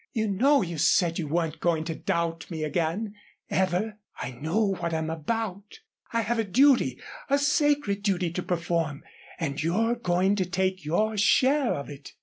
"You know you said you weren't going to doubt me again ever. I know what I'm about. I have a duty, a sacred duty to perform and you're going to take your share of it."